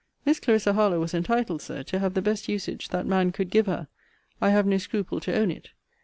Miss Clarissa Harlowe was entitled, Sir, to have the best usage that man could give her. I have no scruple to own it.